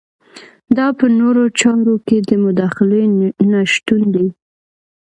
دا په نورو چارو کې د مداخلې نشتون دی.